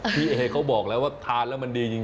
พี่เอเขาบอกแล้วว่าทานแล้วมันดีจริง